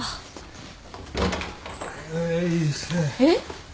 えっ？